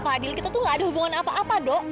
aku sama fadil kita tuh nggak ada hubungan apa apa dok